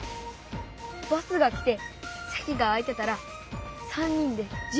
バスが来てせきが空いてたら３人で１０びょう